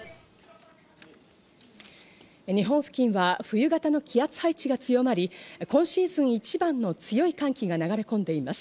日本付近は冬型の気圧配置が強まり、今シーズン一番の強い寒気が流れ込んでいます。